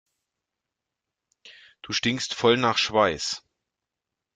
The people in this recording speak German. Du stinkst voll nach Schweiß.